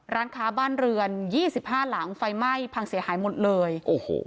ร้านค้าบ้านเรือน๒๕หลังไฟไหม้พังเสียหายหมดเลยโอ้โห